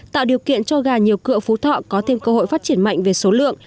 tạo điều kiện cho gà nhiều cửa phú thọ có thêm cơ hội phát triển mạnh về số lượng